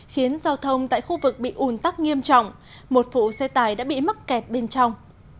khiến giao thông tại khu vực bị ùn tắc nghiêm trọng một phụ xe tải đã bị mắc kẹt bên trong